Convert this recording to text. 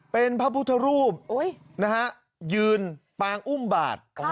เป็นพระพุทธรูปยืนปางอุ้มบาท